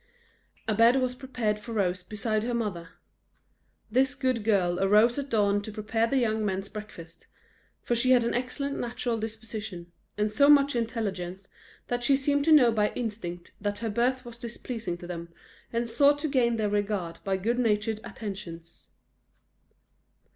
A bed was prepared for Rose beside her mother. This good girl arose at dawn to prepare the young men's breakfast; for she had an excellent natural disposition, and so much intelligence that she seemed to know by instinct that her birth was displeasing to them, and sought to gain their regard by good natured attentions.